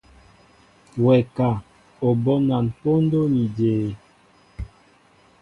Wɛ ka, O bónan póndó ni jě?